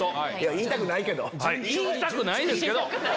言いたくないけど。